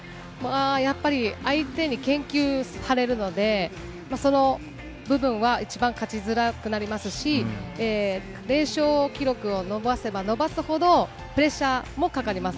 やっぱり相手に研究されるので、その部分は一番勝ちづらくなりますし、連勝記録を伸ばせば伸ばすほどプレッシャーもかかります。